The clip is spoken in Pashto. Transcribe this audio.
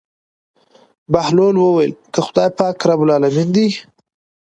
بهلول وويل که خداى پاک رب العلمين دى.